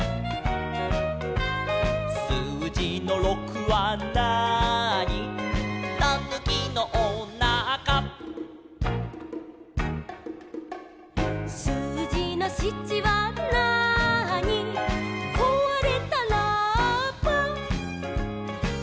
「すうじの６はなーに」「たぬきのおなか」「すうじの７はなーに」「こわれたラッパ」